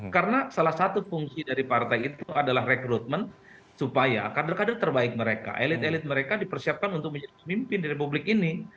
karena salah satu fungsi dari partai itu adalah rekrutmen supaya kader kader terbaik mereka elit elit mereka dipersiapkan untuk menjadi pemimpin di republik ini